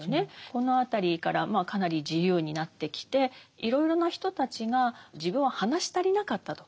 この辺りからかなり自由になってきていろいろな人たちが自分は話し足りなかったと。